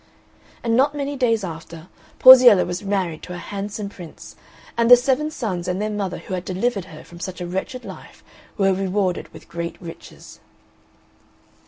And not many days after Porziella was married to a handsome prince, and the seven sons and their mother who had delivered her from such a wretched life were rewarded with great riches.